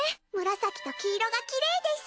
紫と黄色がきれいです。